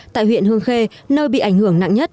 tại huyện hương khê nơi bị ảnh hưởng nặng nhất